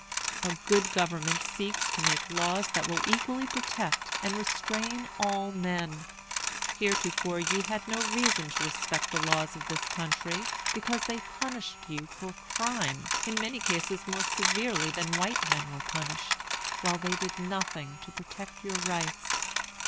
A good government seeks to make laws that will equally protect and restrain all men. Heretofore you had no reason to respect the laws of this country, because they punished you for crime, in many cases more severely than white men were punished, while they did nothing to protect your rights.